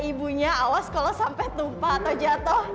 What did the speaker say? kata ibunya awas kalo sampai tumpah atau jatoh